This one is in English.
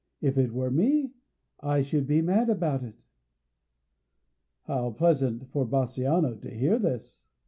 If it were me, I should be mad about it." How pleasant for Bassanio to hear this!